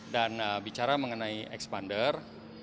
dan bicara mengenai expander